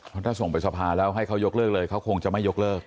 เพราะถ้าส่งไปสภาแล้วให้เขายกเลิกเลยเขาคงจะไม่ยกเลิก